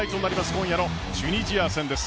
今夜のチュニジア戦です。